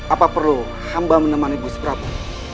apa perlu hamba menemani bus prabu